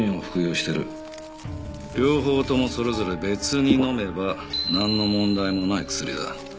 両方ともそれぞれ別に飲めばなんの問題もない薬だ。